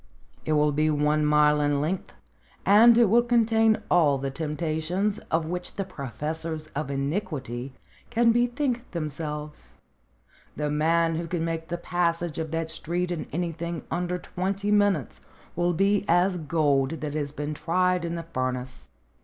It will be one mile in length, and it will contain all the temptations of which the professors of iniquity can bethink them selves. The man who can make the passage of that street in anything under twenty minutes will be as gold that has been tried in the furnace.